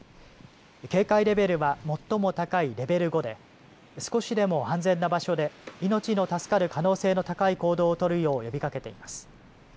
警戒レベルは最も高いレベル５で少しでも安全な場所で命の助かる可能性の高い行動を取るよう呼びかけています。